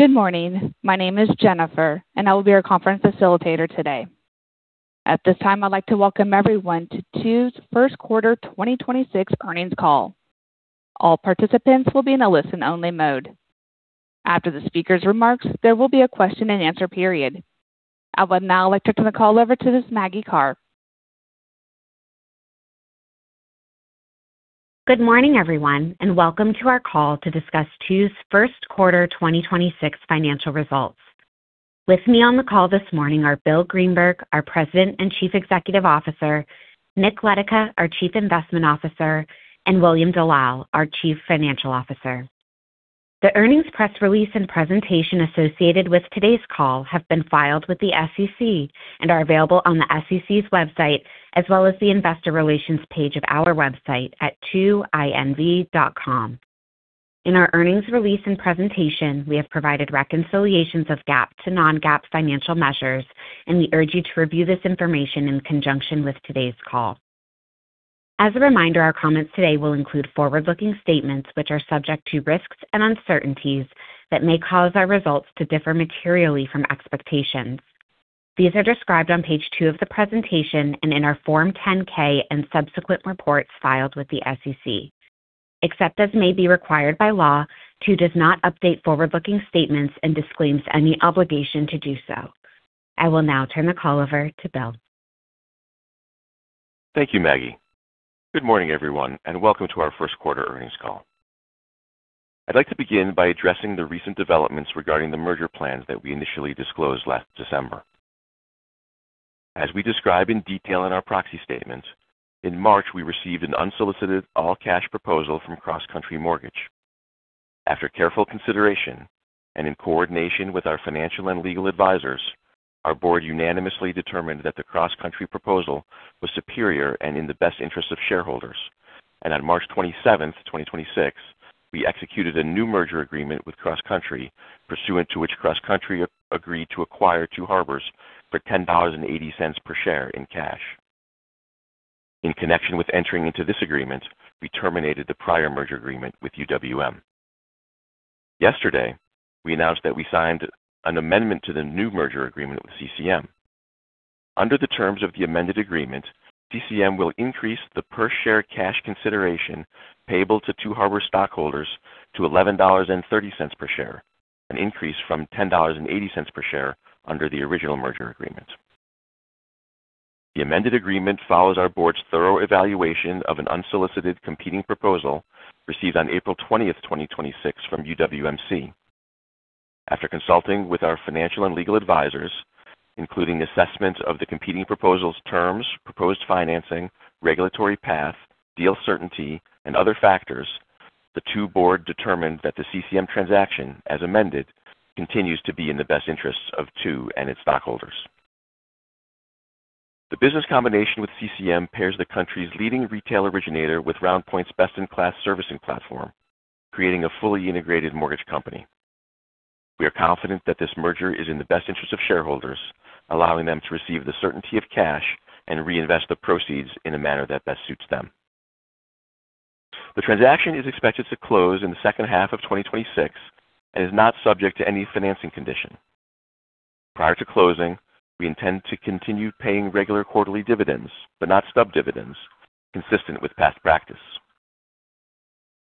Good morning. My name is Jennifer, and I will be your conference facilitator today. At this time, I'd like to welcome everyone to Two's first quarter 2026 earnings call. All participants will be in a listen-only mode. After the speaker's remarks, there will be a question-and-answer period. I would now like to turn the call over to Ms. Maggie Karr. Good morning, everyone, welcome to our call to discuss Two's first quarter 2026 financial results. With me on the call this morning are Bill Greenberg, our President and Chief Executive Officer, Nick Letica, our Chief Investment Officer, and William Dellal, our Chief Financial Officer. The earnings press release and presentation associated with today's call have been filed with the SEC and are available on the SEC's website as well as the investor relations page of our website at twoinv.com. In our earnings release and presentation, we have provided reconciliations of GAAP to non-GAAP financial measures. We urge you to review this information in conjunction with today's call. As a reminder, our comments today will include forward-looking statements which are subject to risks and uncertainties that may cause our results to differ materially from expectations. These are described on page two of the presentation and in our Form 10-K and subsequent reports filed with the SEC. Except as may be required by law, Two does not update forward-looking statements and disclaims any obligation to do so. I will now turn the call over to Bill. Thank you, Maggie. Good morning, everyone, and welcome to our first quarter earnings call. I'd like to begin by addressing the recent developments regarding the merger plans that we initially disclosed last December. As we describe in detail in our proxy statement, in March, we received an unsolicited all-cash proposal from CrossCountry Mortgage. After careful consideration and in coordination with our financial and legal advisors, our board unanimously determined that the CrossCountry proposal was superior and in the best interest of shareholders. On March 27th, 2026, we executed a new merger agreement with CrossCountry, pursuant to which CrossCountry agreed to acquire Two Harbors for $10.80 per share in cash. In connection with entering into this agreement, we terminated the prior merger agreement with UWM. Yesterday, we announced that we signed an amendment to the new merger agreement with CCM. Under the terms of the amended agreement, CCM will increase the per share cash consideration payable to Two Harbors stockholders to $11.30 per share, an increase from $10.80 per share under the original merger agreement. The amended agreement follows our board's thorough evaluation of an unsolicited competing proposal received on April 20th, 2026 from UWMC. After consulting with our financial and legal advisors, including assessment of the competing proposal's terms, proposed financing, regulatory path, deal certainty and other factors, the Two Harbors board determined that the CCM transaction, as amended, continues to be in the best interests of Two Harbors and its stockholders. The business combination with CCM pairs the country's leading retail originator with RoundPoint's best-in-class servicing platform, creating a fully integrated mortgage company. We are confident that this merger is in the best interest of shareholders, allowing them to receive the certainty of cash and reinvest the proceeds in a manner that best suits them. The transaction is expected to close in the second half of 2026 and is not subject to any financing condition. Prior to closing, we intend to continue paying regular quarterly dividends, but not stub dividends, consistent with past practice.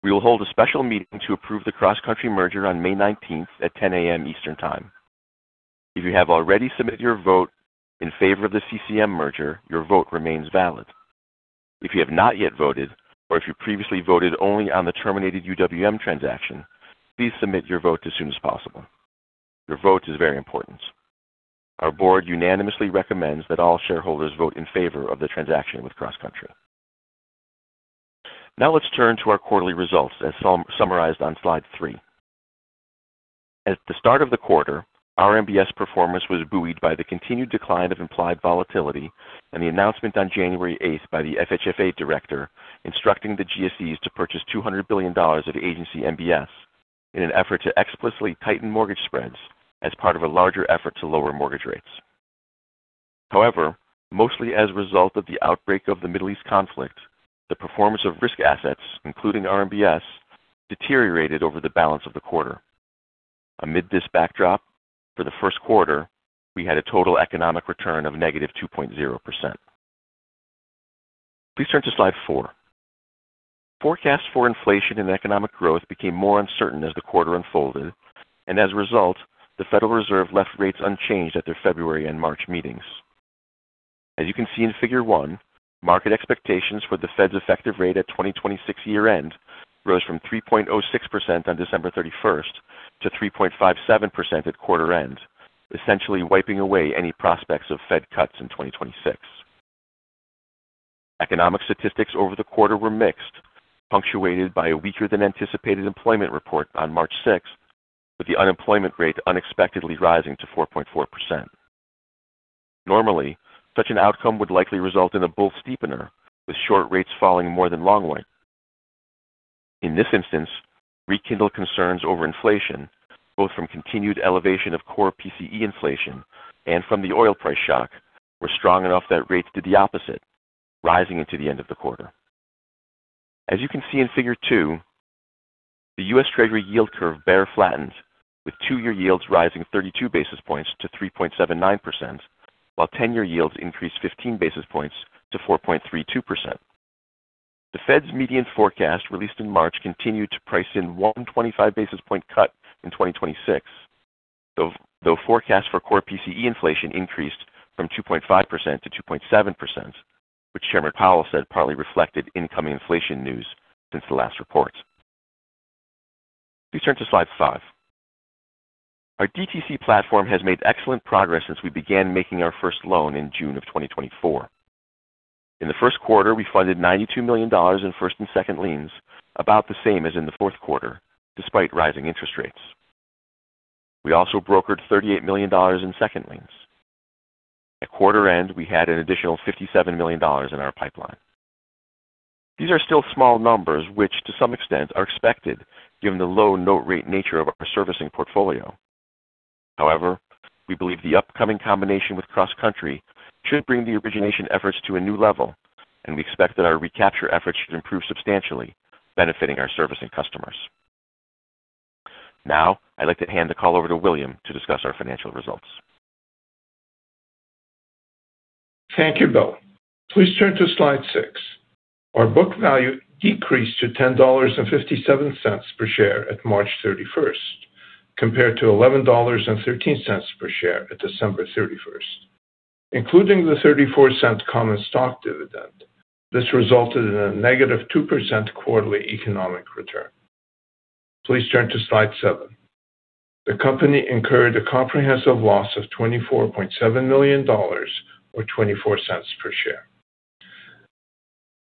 We will hold a special meeting to approve the CrossCountry merger on May 19th at 10:00 A.M. Eastern Time. If you have already submitted your vote in favor of the CCM merger, your vote remains valid. If you have not yet voted or if you previously voted only on the terminated UWM transaction, please submit your vote as soon as possible. Your vote is very important. Our board unanimously recommends that all shareholders vote in favor of the transaction with CrossCountry. Let's turn to our quarterly results as summarized on slide three. At the start of the quarter, RMBS performance was buoyed by the continued decline of implied volatility and the announcement on January 8th by the FHFA director instructing the GSEs to purchase $200 billion of agency MBS in an effort to explicitly tighten mortgage spreads as part of a larger effort to lower mortgage rates. Mostly as a result of the outbreak of the Middle East conflict, the performance of risk assets, including RMBS, deteriorated over the balance of the quarter. Amid this backdrop, for the first quarter, we had a total economic return of negative 2.0%. Please turn to slide four. Forecasts for inflation and economic growth became more uncertain as the quarter unfolded, and as a result, the Federal Reserve left rates unchanged at their February and March meetings. As you can see in Figure 1, market expectations for the Fed's effective rate at 2026 year-end rose from 3.06% on December 31st to 3.57% at quarter end, essentially wiping away any prospects of Fed cuts in 2026. Economic statistics over the quarter were mixed, punctuated by a weaker than anticipated employment report on March 6th, with the unemployment rate unexpectedly rising to 4.4%. Normally, such an outcome would likely result in a bull steepener, with short rates falling more than long rates. In this instance, rekindled concerns over inflation, both from continued elevation of core PCE inflation and from the oil price shock, were strong enough that rates did the opposite, rising into the end of the quarter. You can see in Figure 2, the U.S. Treasury yield curve bear flattens with two-year yields rising 32 basis points to 3.79%, while 10-year yields increase 15 basis points to 4.32%. The Fed's median forecast, released in March, continued to price in 125 basis point cut in 2026. Though forecasts for core PCE inflation increased from 2.5% to 2.7%, which Chairman Powell said partly reflected incoming inflation news since the last report. Please turn to slide five. Our DTC platform has made excellent progress since we began making our first loan in June of 2024. In the first quarter, we funded $92 million in first and second liens, about the same as in the fourth quarter, despite rising interest rates. We also brokered $38 million in second liens. At quarter end, we had an additional $57 million in our pipeline. These are still small numbers, which to some extent are expected given the low note rate nature of our servicing portfolio. We believe the upcoming combination with CrossCountry should bring the origination efforts to a new level, and we expect that our recapture efforts should improve substantially, benefiting our servicing customers. I'd like to hand the call over to William to discuss our financial results. Thank you, Bill. Please turn to slide six. Our book value decreased to $10.57 per share at March 31st, compared to $11.13 per share at December 31st. Including the $0.34 common stock dividend, this resulted in a negative 2% quarterly economic return. Please turn to slide seven. The company incurred a comprehensive loss of $24.7 million or $0.24 per share.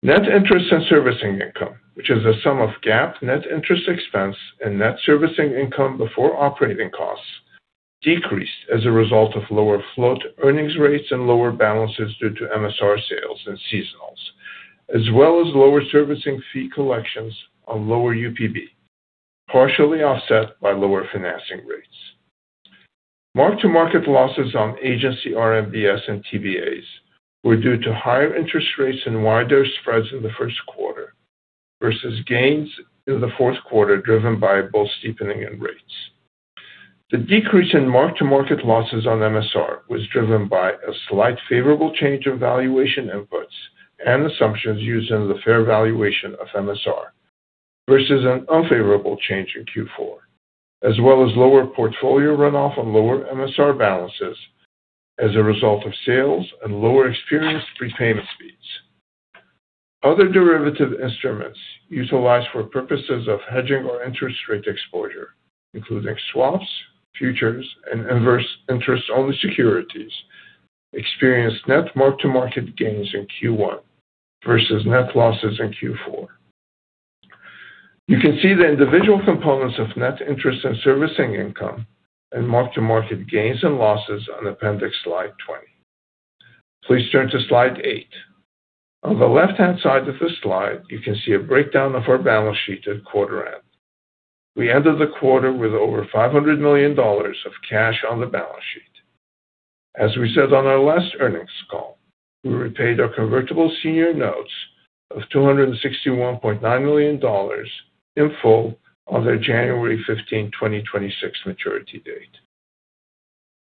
Net interest and servicing income, which is a sum of GAAP net interest expense and net servicing income before operating costs, decreased as a result of lower float earnings rates and lower balances due to MSR sales and seasonals, as well as lower servicing fee collections on lower UPB, partially offset by lower financing rates. Mark-to-market losses on Agency RMBS and TBAs were due to higher interest rates and wider spreads in the first quarter versus gains in the fourth quarter, driven by both steepening and rates. The decrease in mark-to-market losses on MSR was driven by a slight favorable change in valuation inputs and assumptions used in the fair valuation of MSR versus an unfavorable change in Q4, as well as lower portfolio runoff on lower MSR balances as a result of sales and lower experienced prepayment speeds. Other derivative instruments utilized for purposes of hedging or interest rate exposure, including swaps, futures, and Inverse Interest-Only Securities, experienced net mark-to-market gains in Q1 versus net losses in Q4. You can see the individual components of net interest and servicing income and mark-to-market gains and losses on appendix slide 20. Please turn to slide eight. On the left-hand side of the slide, you can see a breakdown of our balance sheet at quarter end. We ended the quarter with over $500 million of cash on the balance sheet. As we said on our last earnings call, we repaid our Convertible Senior Notes of $261.9 million in full on their January 15, 2026 maturity date.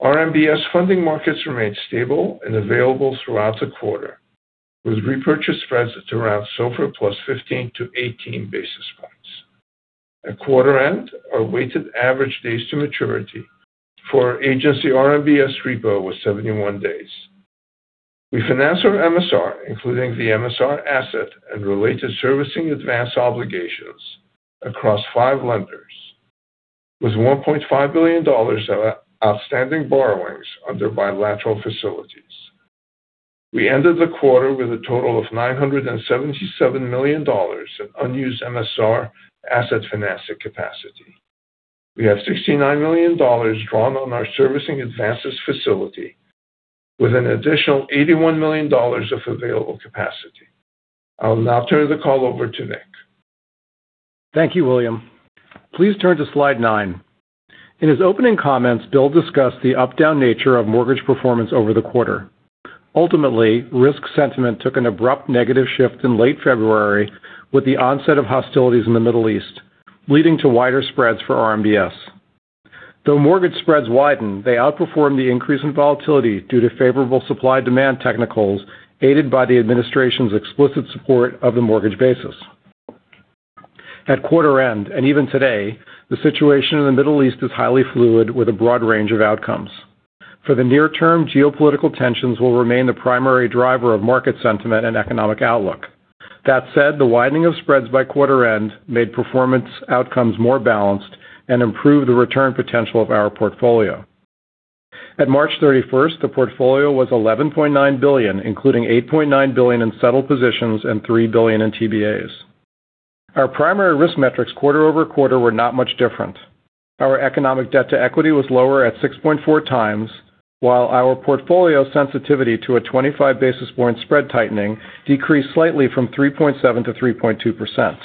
RMBS funding markets remained stable and available throughout the quarter, with repurchase spreads at around SOFR plus 15 basis points to 18 basis points. At quarter end, our weighted average days to maturity for our Agency RMBS repo was 71 days. We finance our MSR, including the MSR asset and related servicing advance obligations across five lenders, with $1.5 billion of outstanding borrowings under bilateral facilities. We ended the quarter with a total of $977 million in unused MSR asset financing capacity. We have $69 million drawn on our servicing advances facility with an additional $81 million of available capacity. I'll now turn the call over to Nick. Thank you, William. Please turn to slide nine. In his opening comments, Bill discussed the up-down nature of mortgage performance over the quarter. Ultimately, risk sentiment took an abrupt negative shift in late February with the onset of hostilities in the Middle East, leading to wider spreads for RMBS. Though mortgage spreads widened, they outperformed the increase in volatility due to favorable supply-demand technicals aided by the administration's explicit support of the mortgage basis. At quarter end, and even today, the situation in the Middle East is highly fluid with a broad range of outcomes. For the near term, geopolitical tensions will remain the primary driver of market sentiment and economic outlook. That said, the widening of spreads by quarter end made performance outcomes more balanced and improved the return potential of our portfolio. At March 31st, the portfolio was $11.9 billion, including $8.9 billion in settled positions and $3 billion in TBAs. Our primary risk metrics quarter-over-quarter were not much different. Our economic debt to equity was lower at 6.4x, while our portfolio sensitivity to a 25 basis point spread tightening decreased slightly from 3.7% to 3.2%.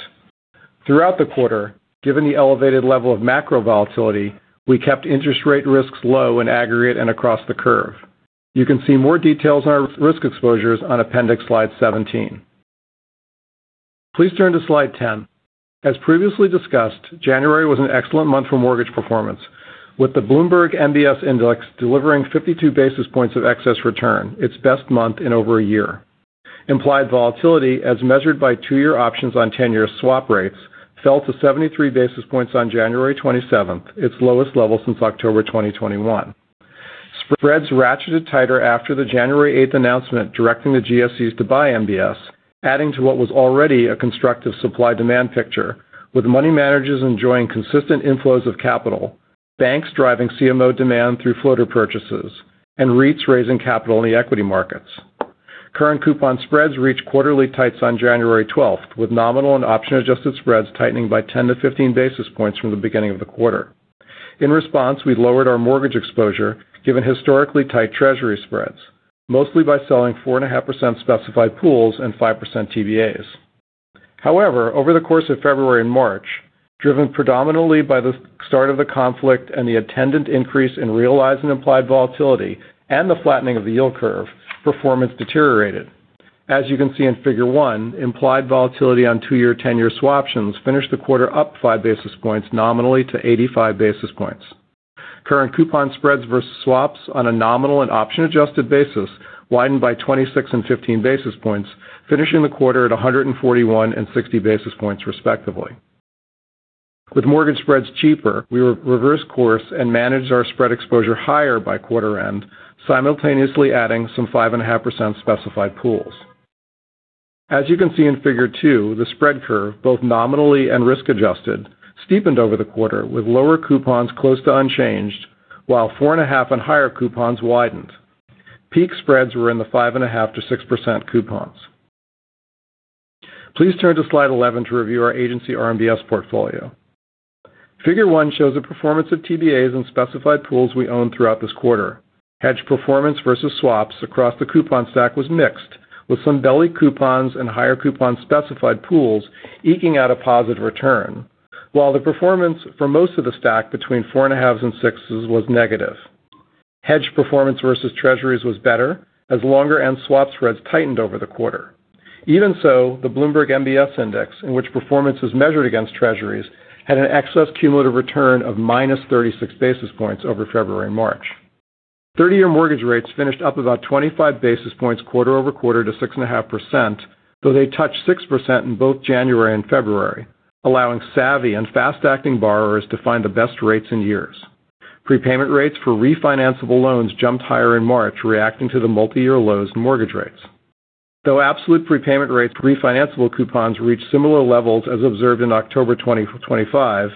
Throughout the quarter, given the elevated level of macro volatility, we kept interest rate risks low in aggregate and across the curve. You can see more details on our risk exposures on appendix slide 17. Please turn to slide 10. As previously discussed, January was an excellent month for mortgage performance, with the Bloomberg US MBS Index delivering 52 basis points of excess return, its best month in over a year. Implied volatility, as measured by two-year options on 10-year swap rates, fell to 73 basis points on January 27th, its lowest level since October 2021. Spreads ratcheted tighter after the January 8th announcement directing the GSEs to buy MBS, adding to what was already a constructive supply-demand picture, with money managers enjoying consistent inflows of capital, banks driving CMO demand through floater purchases, and REITs raising capital in the equity markets. Current coupon spreads reached quarterly tights on January 12th, with nominal and option-adjusted spreads tightening by 10 basis points to 15 basis points from the beginning of the quarter. In response, we lowered our mortgage exposure given historically tight Treasury spreads, mostly by selling 4.5% specified pools and 5% TBAs. However, over the course of February and March, driven predominantly by the start of the conflict and the attendant increase in realized and implied volatility and the flattening of the yield curve, performance deteriorated. As you can see in Figure 1, implied volatility on two-year, 10-year swap options finished the quarter up 5 basis points nominally to 85 basis points. Current coupon spreads versus swaps on a nominal and option-adjusted basis widened by 26 basis points and 15 basis points, finishing the quarter at 141 basis points and 60 basis points, respectively. With mortgage spreads cheaper, we reversed course and managed our spread exposure higher by quarter end, simultaneously adding some 5.5% specified pools. As you can see in Figure 2, the spread curve, both nominally and risk adjusted, steepened over the quarter with lower coupons close to unchanged while 4.5% And higher coupons widened. Peak spreads were in the 5.5% to 6% coupons. Please turn to slide 11 to review our Agency RMBS portfolio. Figure 1 shows the performance of TBAs and specified pools we owned throughout this quarter. Hedge performance versus swaps across the coupon stack was mixed, with some belly coupons and higher coupon specified pools eking out a positive return. While the performance for most of the stack between 4.5% And 6% was negative. Hedge performance versus Treasuries was better as longer-end swap spreads tightened over the quarter. Even so, the Bloomberg US MBS Index, in which performance is measured against Treasuries, had an excess cumulative return of -36 basis points over February and March. Thirty-year mortgage rates finished up about 25 basis points quarter-over-quarter to 6.5%, though they touched 6% in both January and February, allowing savvy and fast-acting borrowers to find the best rates in years. Prepayment rates for refinanceable loans jumped higher in March, reacting to the multiyear lows in mortgage rates. Though absolute prepayment rates for refinanceable coupons reached similar levels as observed in October 2025,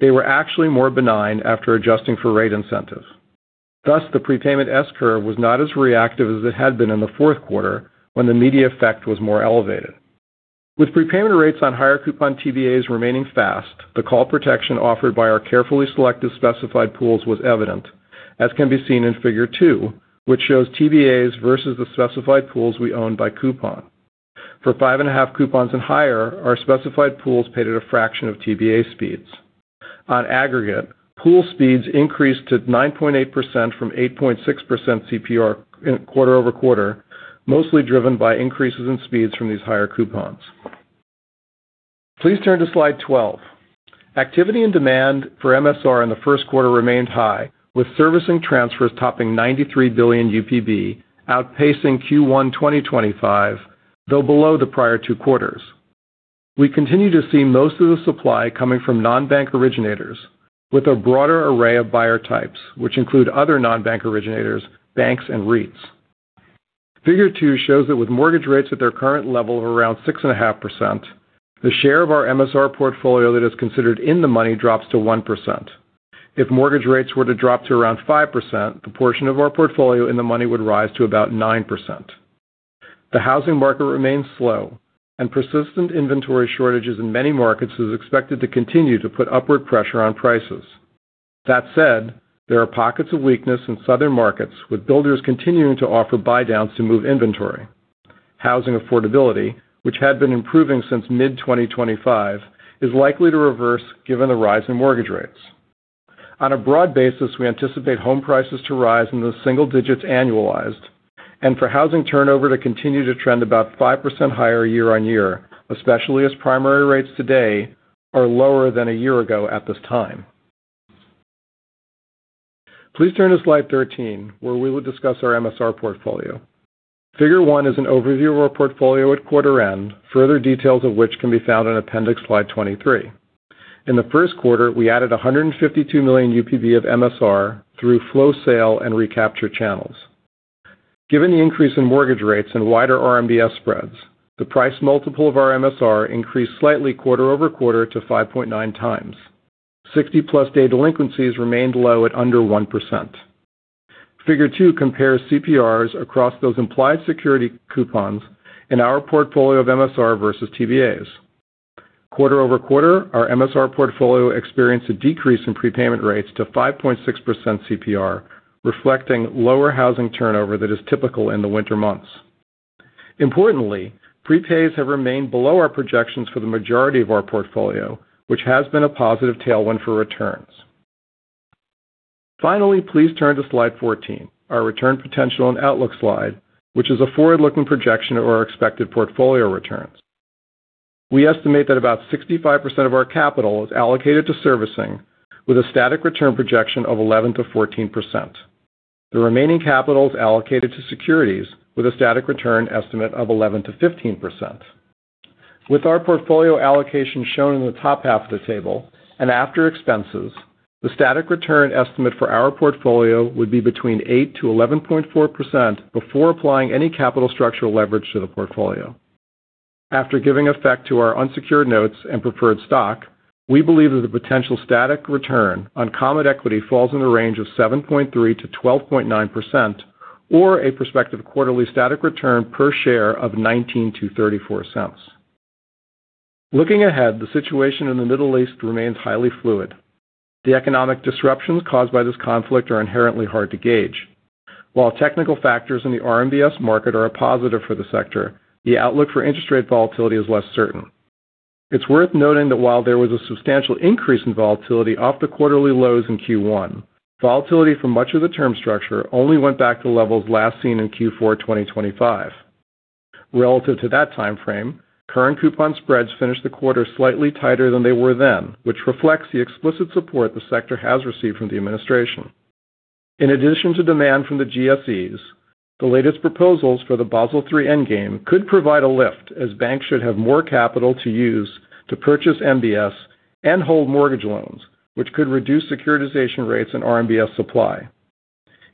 they were actually more benign after adjusting for rate incentives. The prepayment S-curve was not as reactive as it had been in the fourth quarter when the media effect was more elevated. With prepayment rates on higher coupon TBAs remaining fast, the call protection offered by our carefully selected specified pools was evident, as can be seen in Figure 2, which shows TBAs versus the specified pools we own by coupon. For five and a half coupons and higher, our specified pools paid at a fraction of TBA speeds. On aggregate, pool speeds increased to 9.8% from 8.6% CPR quarter-over-quarter, mostly driven by increases in speeds from these higher coupons. Please turn to slide 12. Activity and demand for MSR in the first quarter remained high, with servicing transfers topping 93 billion UPB, outpacing Q1 2025, though below the prior two quarters. We continue to see most of the supply coming from non-bank originators with a broader array of buyer types, which include other non-bank originators, banks, and REITs. Figure 2 shows that with mortgage rates at their current level of around 6.5%, the share of our MSR portfolio that is considered in the money drops to 1%. If mortgage rates were to drop to around 5%, the portion of our portfolio in the money would rise to about 9%. The housing market remains slow and persistent inventory shortages in many markets is expected to continue to put upward pressure on prices. That said, there are pockets of weakness in southern markets with builders continuing to offer buydowns to move inventory. Housing affordability, which had been improving since mid-2025, is likely to reverse given the rise in mortgage rates. On a broad basis, we anticipate home prices to rise in the single digits annualized, and for housing turnover to continue to trend about 5% higher year-on-year, especially as primary rates today are lower than a year ago at this time. Please turn to slide 13, where we will discuss our MSR portfolio. Figure 1 is an overview of our portfolio at quarter end, further details of which can be found on appendix slide 23. In the first quarter, we added 152 million UPB of MSR through flow sale and recapture channels. Given the increase in mortgage rates and wider RMBS spreads, the price multiple of our MSR increased slightly quarter-over-quarter to 5.9x. 60+ day delinquencies remained low at under 1%. Figure 2 compares CPRs across those implied security coupons in our portfolio of MSR versus TBAs. Quarter-over-quarter, our MSR portfolio experienced a decrease in prepayment rates to 5.6% CPR, reflecting lower housing turnover that is typical in the winter months. Importantly, prepays have remained below our projections for the majority of our portfolio, which has been a positive tailwind for returns. Finally, please turn to slide 14, our return potential and outlook slide, which is a forward-looking projection of our expected portfolio returns. We estimate that about 65% of our capital is allocated to servicing with a static return projection of 11%-14%. The remaining capital is allocated to securities with a static return estimate of 11%-15%. With our portfolio allocation shown in the top half of the table and after expenses, the static return estimate for our portfolio would be between 8% to 11.4% before applying any capital structural leverage to the portfolio. After giving effect to our unsecured notes and preferred stock, we believe that the potential static return on common equity falls in the range of 7.3%-12.9% or a prospective quarterly static return per share of $0.19-$0.34. Looking ahead, the situation in the Middle East remains highly fluid. The economic disruptions caused by this conflict are inherently hard to gauge. While technical factors in the RMBS market are a positive for the sector, the outlook for interest rate volatility is less certain. It's worth noting that while there was a substantial increase in volatility off the quarterly lows in Q1, volatility for much of the term structure only went back to levels last seen in Q4 2025. Relative to that timeframe, current coupon spreads finished the quarter slightly tighter than they were then, which reflects the explicit support the sector has received from the administration. In addition to demand from the GSEs, the latest proposals for the Basel III Endgame could provide a lift as banks should have more capital to use to purchase MBS and hold mortgage loans, which could reduce securitization rates and RMBS supply.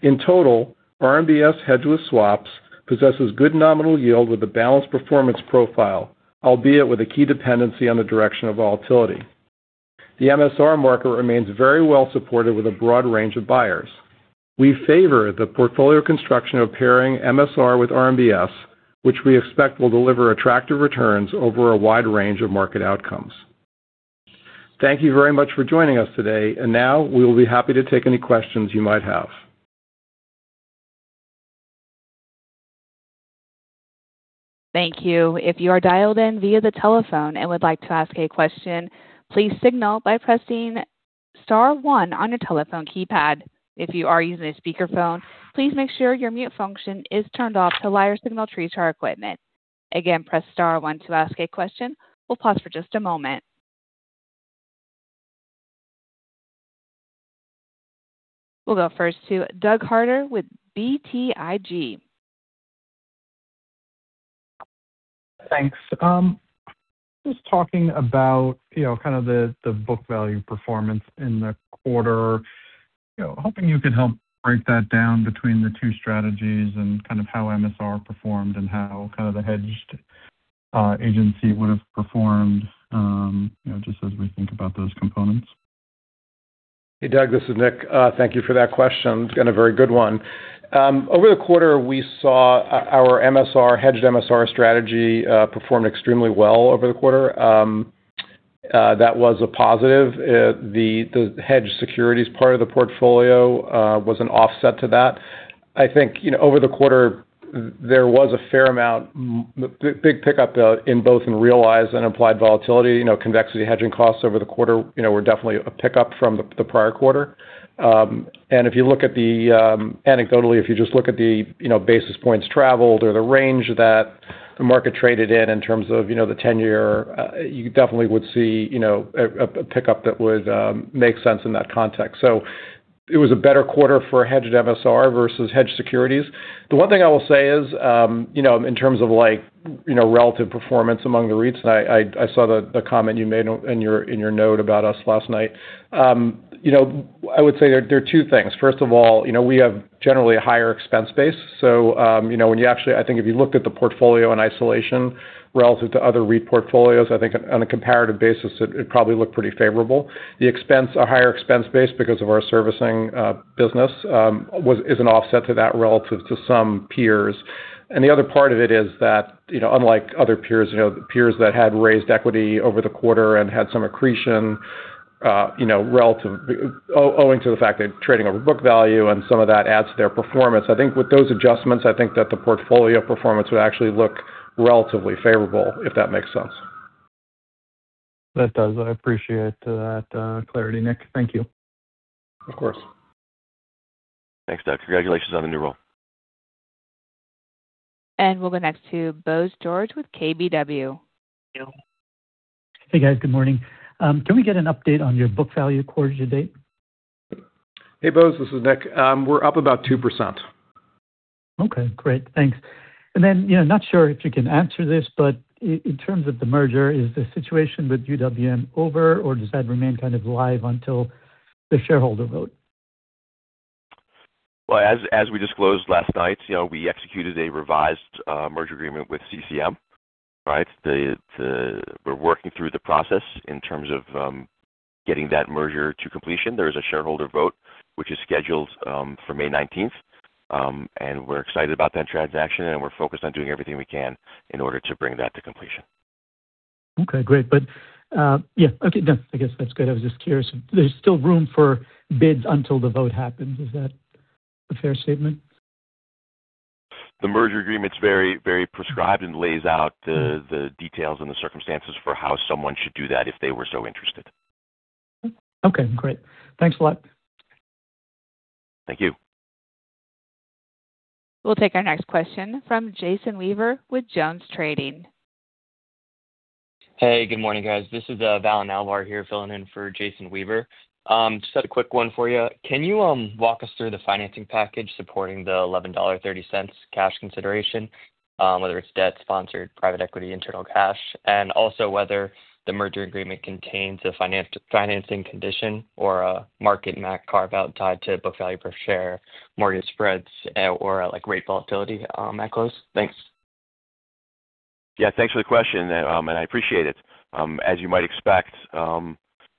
In total, RMBS hedged with swaps possesses good nominal yield with a balanced performance profile, albeit with a key dependency on the direction of volatility. The MSR market remains very well supported with a broad range of buyers. We favor the portfolio construction of pairing MSR with RMBS, which we expect will deliver attractive returns over a wide range of market outcomes. Thank you very much for joining us today. Now we will be happy to take any questions you might have. Thank you. If you are dialed in via the telephone and would like to ask a question, please signal by pressing star one on your telephone keypad. If you are using a speakerphone, please make sure your mute function is turned off to allow your signal through to our equipment. Again, press star one to ask a question. We will pause for just a moment. We will go first to Doug Harter with BTIG. Thanks. Just talking about, you know, kind of the book value performance in the quarter. You know, hoping you could help break that down between the two strategies and kind of how MSR performed and how kind of the hedged Agency would have performed, you know, just as we think about those components. Hey, Doug, this is Nick. Thank you for that question. It's been a very good one. Over the quarter, we saw our MSR, hedged MSR strategy, perform extremely well over the quarter. That was a positive. The hedged securities part of the portfolio was an offset to that. I think, you know, over the quarter there was a fair amount big pickup in both in realized and implied volatility. You know, convexity hedging costs over the quarter, you know, were definitely a pickup from the prior quarter. If you look at the, anecdotally, if you just look at the, you know, basis points traveled or the range that the market traded in in terms of, you know, the 10-year, you definitely would see, you know, a pickup that would make sense in that context. It was a better quarter for hedged MSR versus hedged securities. The one thing I will say is, you know, in terms of like, you know, relative performance among the REITs, and I saw the comment you made in your, in your note about us last night. You know, I would say there are two things. First of all, you know, we have generally a higher expense base. When you actually I think if you looked at the portfolio in isolation relative to other REIT portfolios, I think on a comparative basis, it'd probably look pretty favorable. The expense, a higher expense base because of our servicing business, is an offset to that relative to some peers. The other part of it is that, you know, unlike other peers that had raised equity over the quarter and had some accretion, owing to the fact they're trading over book value and some of that adds to their performance. I think with those adjustments, I think that the portfolio performance would actually look relatively favorable, if that makes sense. That does. I appreciate that clarity, Nick. Thank you. Of course. Thanks, Doug. Congratulations on the new role. We'll go next to Bose George with KBW. Thank you. Hey, guys. Good morning. Can we get an update on your book value quarter to date? Hey, Bose, this is Nick. We're up about 2%. Okay, great. Thanks. You know, not sure if you can answer this, but in terms of the merger, is the situation with UWM over or does that remain kind of live until the shareholder vote? Well, as we disclosed last night, you know, we executed a revised merger agreement with CCM, right? We're working through the process in terms of getting that merger to completion. There is a shareholder vote which is scheduled for May 19th. We're excited about that transaction, and we're focused on doing everything we can in order to bring that to completion. Okay, great. Yeah, okay, no, I guess that's good. I was just curious. There's still room for bids until the vote happens. Is that a fair statement? The merger agreement's very, very prescribed and lays out the details and the circumstances for how someone should do that if they were so interested. Okay, great. Thanks a lot. Thank you. We'll take our next question from Jason Weaver with JonesTrading. Hey, good morning, guys. This is Val Alvar here filling in for Jason Weaver. Just had a quick one for you. Can you walk us through the financing package supporting the $11.30 cash consideration, whether it's debt sponsored, private equity, internal cash? Also whether the merger agreement contains a financing condition or a market MAC carve-out tied to book value per share, mortgage spreads, or like rate volatility at close? Thanks. Yeah. Thanks for the question. I appreciate it. As you might expect,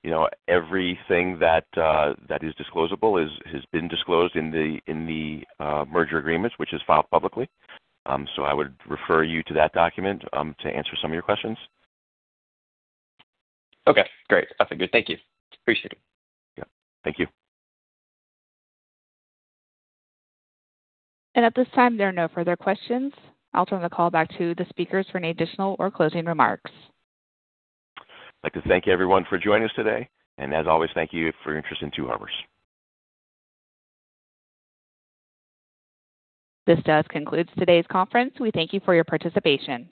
you know, everything that that is disclosable has been disclosed in the merger agreement, which is filed publicly. I would refer you to that document to answer some of your questions. Okay, great. That's good. Thank you. Appreciate it. Yeah. Thank you. At this time, there are no further questions. I'll turn the call back to the speakers for any additional or closing remarks. I'd like to thank everyone for joining us today. As always, thank you for your interest in Two Harbors. This does conclude today's conference. We thank you for your participation.